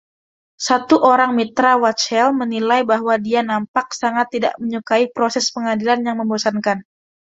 Satu orang mitra Wachtell menilai bahwa dia nampak sangat tidak menyukai proses pengadilan yang membosankan.